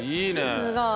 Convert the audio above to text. すごい！